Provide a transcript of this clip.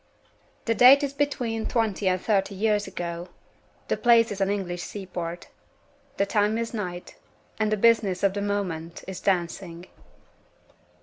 The date is between twenty and thirty years ago. The place is an English sea port. The time is night. And the business of the moment is dancing.